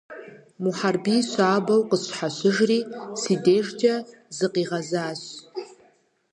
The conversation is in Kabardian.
Мухьэрбий щабэу къысщхьэщыжри си дежкӀэ зыкъигъэзащ.